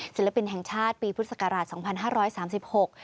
ศิลปินแห่งชาติปีพุทธศักราชสองพันห้าร้อยสามสิบหก